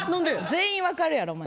全員分かるやろ。